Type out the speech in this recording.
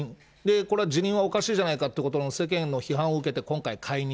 これ、辞任はおかしいじゃないかということの世間の批判を受けて、今回、解任。